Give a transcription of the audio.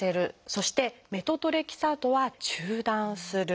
そしてメトトレキサートは中断する。